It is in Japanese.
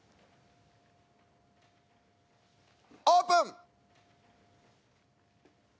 オープン！